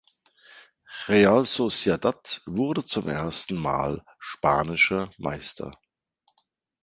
Real Sociedad wurde zum ersten Mal spanischer Meister.